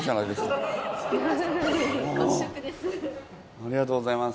ありがとうございます。